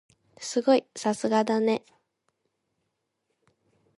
すごい！さすがだね。